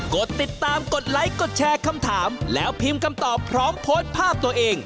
กดติดตามกดไลค์กดแชร์คำถามแล้วพิมพ์คำตอบพร้อมโพสต์ภาพตัวเอง